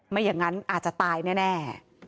ไม่อย่างนั้นอาจจะตายแน่